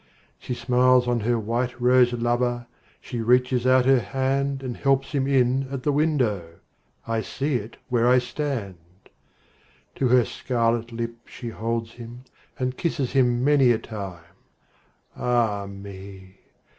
She smiles on her white rose lover, She reaches out her handAnd helps him in at the window—I see it where I stand! To her scarlet lip she holds him, And kisses him many a time—Ah, me!